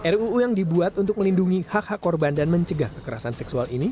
ruu yang dibuat untuk melindungi hak hak korban dan mencegah kekerasan seksual ini